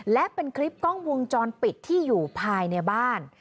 และเป็นคลิปกล้องวงจรปิดที่อยู่ภายในบ้าน